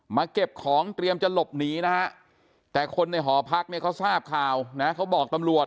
เก็บของเตรียมจะหลบหนีนะฮะแต่คนในหอพักเนี่ยเขาทราบข่าวนะเขาบอกตำรวจ